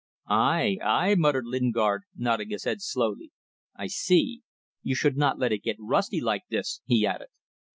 "Aye! aye!" muttered Lingard, nodding his head slowly. "I see. You should not let it get rusty like this," he added.